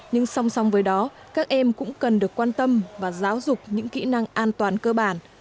nhưng song song với đó các em cũng cần được quan tâm và giáo dục những kỹ năng an toàn cơ bản